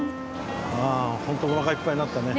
ああ本当おなかいっぱいになったね。